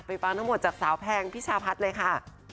ฟังทั้งหมดจากสาวแพงพิชาพัฒน์เลยค่ะ